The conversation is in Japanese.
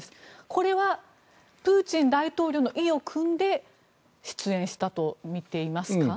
これはプーチン大統領の意をくんで出演したと見ていますか。